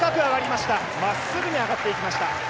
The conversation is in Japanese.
まっすぐに上がっていきました。